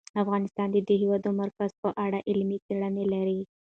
افغانستان د د هېواد مرکز په اړه علمي څېړنې لري.